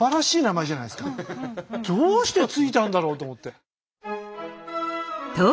どうして付いたんだろうと思って。